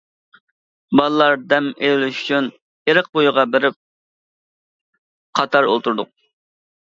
بالىلار دەم ئېلىۋېلىش ئۈچۈن، ئېرىق بويىغا بېرىپ قاتار ئولتۇردۇق.